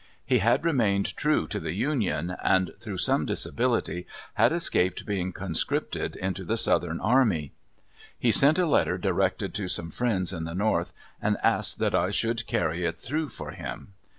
He had remained true to the Union, and, through some disability, had escaped being conscripted into the southern army. He sent a letter directed to some friends in the north, and asked that I should carry it through for him.